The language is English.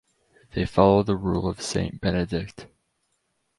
They follow the rule of Saint Benedict.